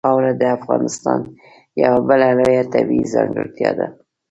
خاوره د افغانستان یوه بله لویه طبیعي ځانګړتیا ده.